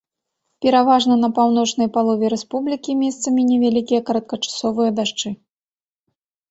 Пераважна па паўночнай палове рэспублікі месцамі невялікія кароткачасовыя дажджы.